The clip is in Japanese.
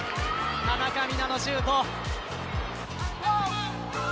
田中美南のシュート。